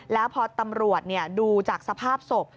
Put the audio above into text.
แล้วพอตำรวจดูจากสภาพศพ